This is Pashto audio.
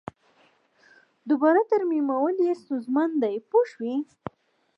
دوباره ترمیمول یې ستونزمن دي پوه شوې!.